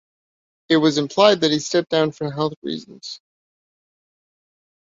It was implied that he stepped down for health reasons.